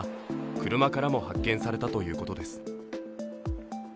車からも発見されたということです。